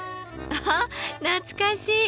あ懐かしい。